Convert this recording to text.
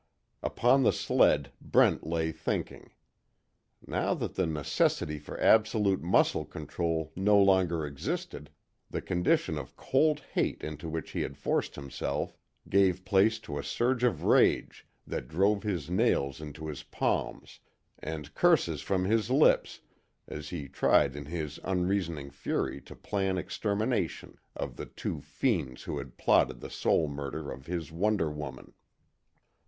Upon the sled Brent lay thinking. Now that the necessity for absolute muscle control no longer existed, the condition of cold hate into which he had forced himself gave place to a surge of rage that drove his nails into his palms, and curses from his lips, as he tried in his unreasoning fury to plan extermination of the two fiends who had plotted the soul murder of his wonder woman.